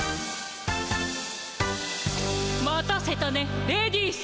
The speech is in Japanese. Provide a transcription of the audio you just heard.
待たせたねレディース。